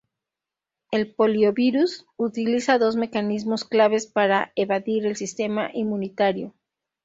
El Poliovirus utiliza dos mecanismos claves para evadir el sistema inmunitario.